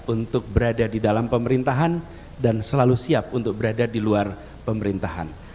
untuk berada di dalam pemerintahan dan selalu siap untuk berada di luar pemerintahan